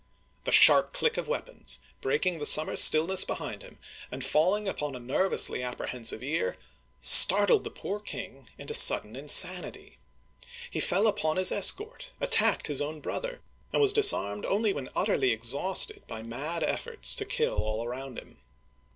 The sharp click of weapons, breaking the summer stillness behind him, and falling upon a nervously appre Digitized by Google CHARLES VI. (13S0 1422) 177 hensive ear, startled the poor king into sudden insanity. He fell upon his escort, attacked his own brother, and was disarmed only when utterly exhausted by mad efforts to kill all around him.